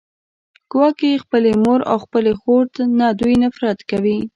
ګواکې خپلې مور او خپلې خور نه دوی نفرت کوي